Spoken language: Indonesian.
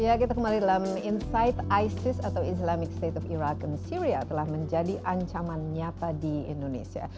ya kita kembali dalam insight isis atau islamic state of iracan syria telah menjadi ancaman nyata di indonesia